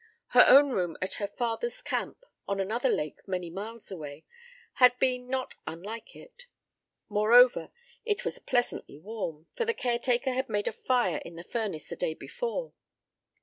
Her own room at her father's camp, on another lake many miles away, had been not unlike it. Moreover, it was pleasantly warm, for the caretaker had made a fire in the furnace the day before.